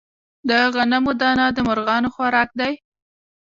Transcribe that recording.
د غنمو دانه د مرغانو خوراک دی.